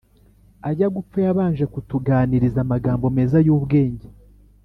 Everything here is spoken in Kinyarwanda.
Ajya gupfa yabanje kutuganiriza amagambo meza y’ubwenge